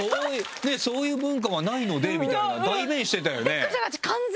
「そういう文化はないので」みたいな代弁してたよね。